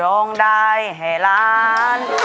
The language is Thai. ร้องได้แหลลาน